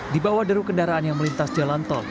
di bawah deru kendaraan yang melintas jalan tol